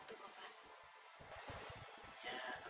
terima kasih ibu